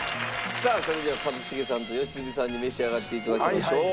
それでは一茂さんと良純さんに召し上がって頂きましょう。